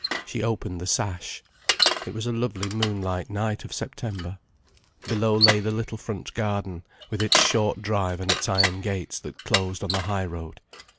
She opened the sash. It was a lovely moonlight night of September. Below lay the little front garden, with its short drive and its iron gates that closed on the high road.